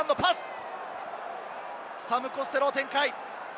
サム・コステローが展開。